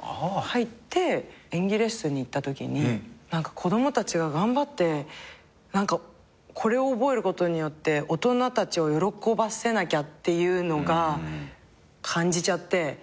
入って演技レッスンに行ったときに子供たちが頑張ってこれを覚えることによって大人たちを喜ばせなきゃっていうのが感じちゃって。